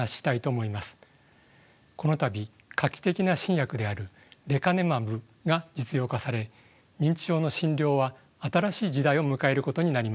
この度画期的な新薬であるレカネマブが実用化され認知症の診療は新しい時代を迎えることになりました。